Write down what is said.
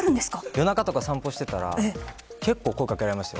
夜中とか散歩してたら結構、声かけられましたよ。